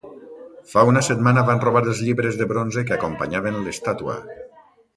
Fa una setmana van robar els llibres de bronze que acompanyaven l’estàtua.